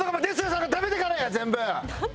さんが食べてからや全部！